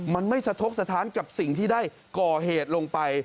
มันไม่สะทกสถานกับสิ่งที่ได้ก่อเหตุลงไป